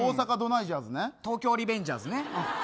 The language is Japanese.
「東京リベンジャーズ」ね。